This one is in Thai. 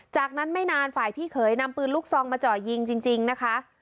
จากนั้นไม่นานฝ่ายพี่เขยนำปืนลูกซองมาเจาะยิงจริงนะคะ